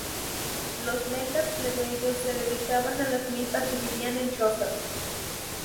Los lencas plebeyos se dedicaban a las milpas y vivían en chozas.